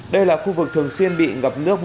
đây là khu vực thường xuyên bị ngập nước